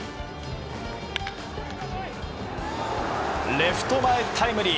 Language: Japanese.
レフト前タイムリー。